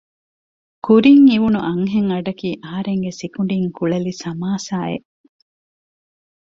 ކުރިން އިވުނު އަންހެން އަޑަކީ އަހަރެންގެ ސިކުނޑިން ކުޅެލި ސަމާސާއެއް